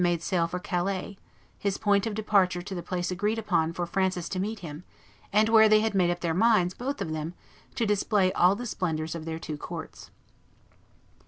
made sail for Calais, his point of departure to the place agreed upon for Francis to meet him, and where they had made up their minds, both of them, to display all the splendors of their two courts.